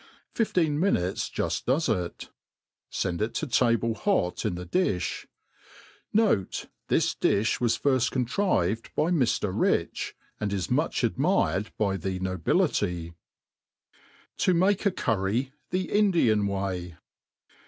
Fifteen minutes juft does it. Send it to table hot in the difli. Note, This difli was firft contrived by Mr. Rich, and it much admired by the iiobility* 7a make a Currey the Indian Way.